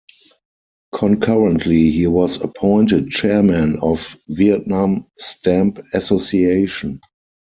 Concurrently he was appointed Chairman of Vietnam Stamp Association.